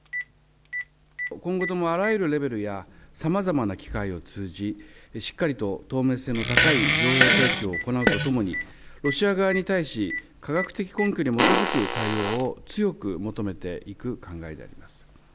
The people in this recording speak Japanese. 今後ともあらゆるレベルやさまざまな機会を通じ、しっかりと透明性の高い情報提供を行うとともに、ロシア側に対し、科学的根拠に基づく対応を強く求めていく考えであります。